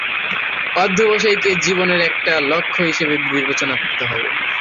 অধ্যবসায়কে জীবনের একটা লক্ষ্য হিসেবে বিবেচনা করতে হবে।